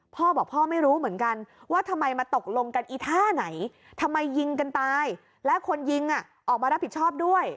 พ่อบอกพ่อไม่รู้เหมือนกันว่าทำไมมาตกลงกันอีท่าไหนทำไมยิงกันตายและคนยิงออกมารับผิดชอบด้วย